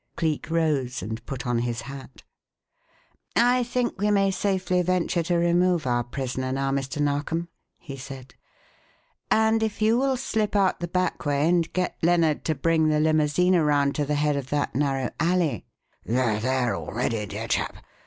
Cleek rose and put on his hat. "I think we may safely venture to remove our prisoner now, Mr. Narkom," he said, "and if you will slip out the back way and get Lennard to bring the limousine around to the head of that narrow alley " "They're there already, dear chap.